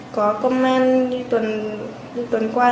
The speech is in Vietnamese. có comment tuần qua